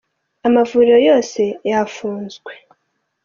Amavuriro yose yafunzwe